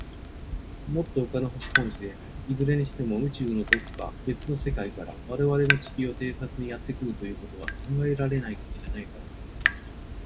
もっと、ほかの星かもしれない。いずれにしても、宇宙の、どこか、べつの世界から、われわれの地球を偵察にやってくるということは、考えられないことじゃないからね。